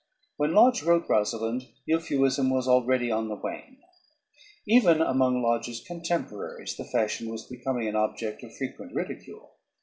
_ When Lodge wrote "Rosalynde," euphuism was already on the wane. Even among Lodge's contemporaries the fashion was becoming an object of frequent ridicule.